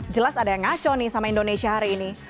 jelas ada yang ngaco nih sama indonesia hari ini